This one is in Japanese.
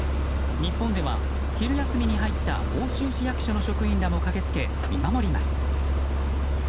日本では昼休みに入った奥州市役所の職員らも駆けつけ見守ります。